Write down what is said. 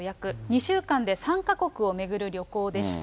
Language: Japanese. ２週間で３か国を巡る旅行でした。